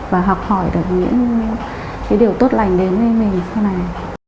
và học hỏi được những điều tốt lành đến với mình sau này